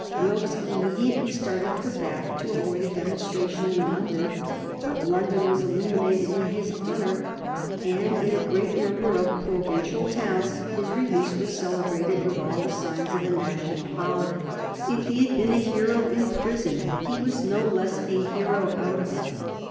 Wilkes immediately started for Bath to avoid a demonstration in London; but London was illuminated in his honor, and in a great number of provincial towns his release was celebrated with all the signs of a national holiday. If he had been a hero in prison, he was no less a hero out of it.